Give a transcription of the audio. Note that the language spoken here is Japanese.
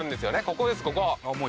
ここですここ。